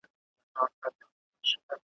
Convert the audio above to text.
نن سهار مي پر اورغوي فال کتلی `